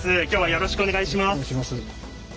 よろしくお願いします。